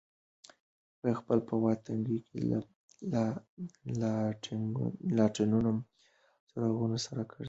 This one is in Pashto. خلک په واټونو کې له لاټېنونو او څراغونو سره ګرځي.